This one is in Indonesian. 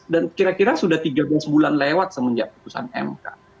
dan kira kira sudah tiga belas bulan lewat semenjak keputusan mk